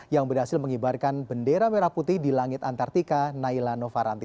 yang berhasil mengibarkan bendera merah putih di langit antartika naila novaranti